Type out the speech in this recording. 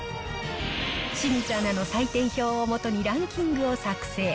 清水アナの採点表をもとにランキングを作成。